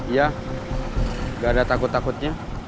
iya gak ada takut takutnya